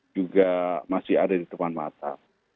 juga masih ada di depan mata